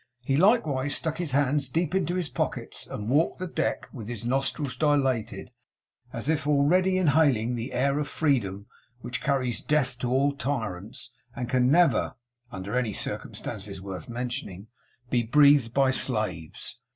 He likewise stuck his hands deep into his pockets, and walked the deck with his nostrils dilated, as already inhaling the air of Freedom which carries death to all tyrants, and can never (under any circumstances worth mentioning) be breathed by slaves.